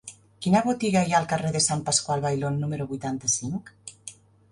Quina botiga hi ha al carrer de Sant Pasqual Bailón número vuitanta-cinc?